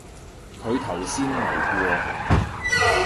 佢頭先嚟過